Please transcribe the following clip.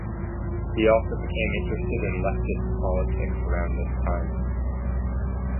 He also became interested in leftist politics around this time.